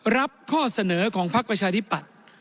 รับข้อเสนอของภักดิปัตย์